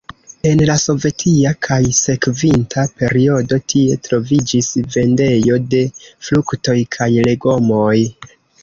En la sovetia kaj sekvinta periodo tie troviĝis vendejo de fruktoj kaj legomoj.